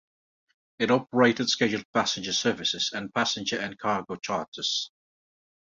It operated scheduled passenger services and passenger and cargo charters.